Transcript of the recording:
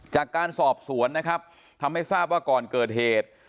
จากการสอบสวนนะครับทำให้ทราบว่าก่อนเกิดเหตุ